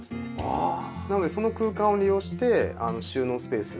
なのでその空間を利用して収納スペース。